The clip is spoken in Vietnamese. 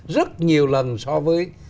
rất nhiều lần so với